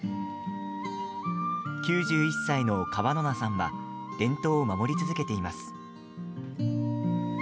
９１歳の川野名さんは伝統を守り続けています。